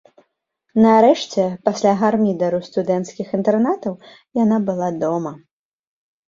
Нарэшце, пасля гармідару студэнцкіх інтэрнатаў, яна была дома.